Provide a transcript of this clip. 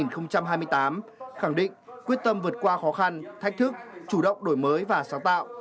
khẳng định quyết tâm vượt qua khó khăn thách thức chủ động đổi mới và sáng tạo